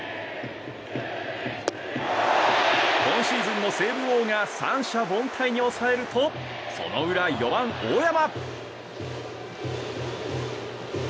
今シーズンのセーブ王が三者凡退に抑えるとその裏、４番、大山。